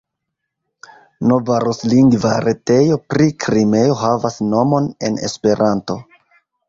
Nova ruslingva retejo pri Krimeo havas nomon en Esperanto.